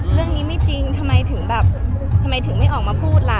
เรื่องนี้ไม่จริงทำไมถึงไม่ออกมาพูดล่ะ